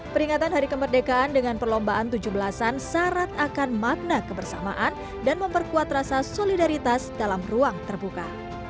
peringatan hari kemerdekaan dengan perlombaan tujuh belas an syarat akan makna kebersamaan dan memperkuat rasa solidaritas dalam ruang terbuka